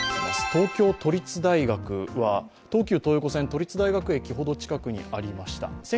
東京都立大学は、東急東横線都立大学駅のほど近くにありました。